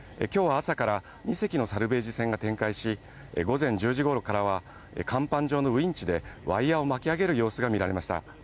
今日は朝から２隻のサルベージ船が展開し、午前１０時頃からは甲板上のウインチでワイヤを巻き上げる様子が見られました。